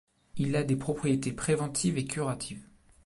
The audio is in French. Il a des propriétés préventives et curatives.